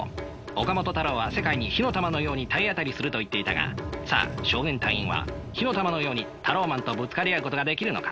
岡本太郎は世界に火の玉のように体当たりすると言っていたがさあ少年隊員は火の玉のようにタローマンとぶつかり合うことができるのか？